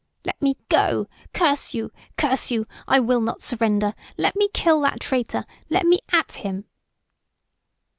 "Let me go! Curse you! Curse you! I will not surrender! Let me kill that traitor! Let me at him!"